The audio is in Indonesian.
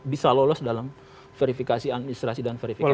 bisa lolos dalam verifikasi administrasi dan verifikasi